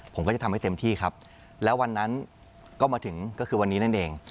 ผมก็จะทำให้เต็มที่ครับแล้ววันนั้นก็มาถึงก็คือวันนี้นั่นเอง